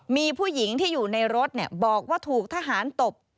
มีผู้หญิงที่อยู่ในรถบอกว่าถูกทหารตบ